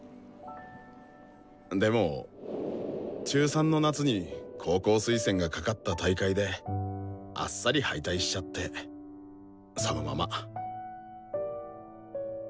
でも中３の夏に高校推薦がかかった大会であっさり敗退しちゃってそのまま。